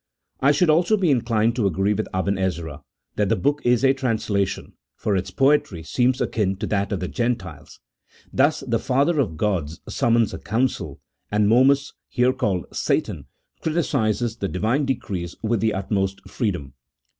I should also be inclined to agree with Aben Ezra that the book is a translation, for its poetry seems akin to that of the Gentiles ; thus the Father of Gods summons a council, and Momus, here called Satan, criticizes the Divine decrees with the utmost freedom.